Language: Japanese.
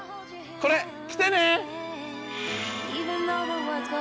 これ着てね！